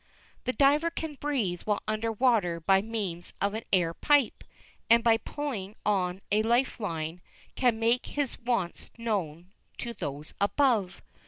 The diver can breathe while under water by means of an air pipe, and by pulling on a life line, can make his wants known to those above.